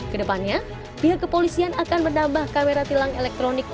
kedepannya pihak kepolisian akan menambah kamera tilang elektronik